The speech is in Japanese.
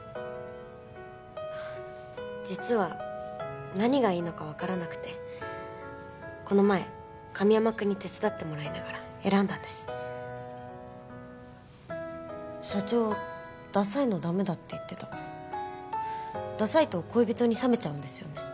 実は何がいいのかわからなくてこの前神山くんに手伝ってもらいながら選んだんです社長ダサいのダメだって言ってたからダサいと恋人に冷めちゃうんですよね？